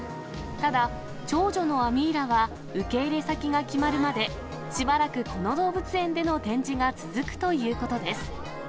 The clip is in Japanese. ただ、長女のアミーラは受け入れ先が決まるまで、しばらくこの動物園での展示が続くということです。